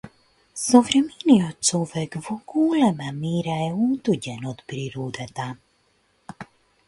Современиот човек во голема мера е отуѓен од природата.